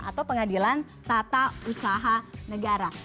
atau pengadilan tata usaha negara